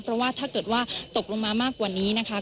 เพราะว่าถ้าเกิดว่าตกลงมามากกว่านี้นะคะ